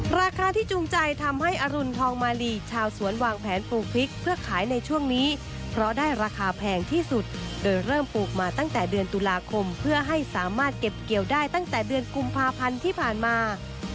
ราคาที่จูงใจทำให้อรุณทองมาลีชาวสวนวางแผนปลูกพริกเพื่อขายในช่วงนี้เพราะได้ราคาแพงที่สุดโดยเริ่มปลูกมาตั้งแต่เดือนตุลาคมเพื่อให้สามารถเก็บเกี่ยวได้ตั้งแต่เดือนกุมภาพันธ์ที่ผ่านมา